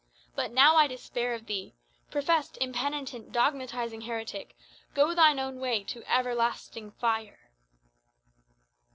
But now, I despair of thee. Professed, impenitent, dogmatizing heretic, go thine own way to everlasting fire!"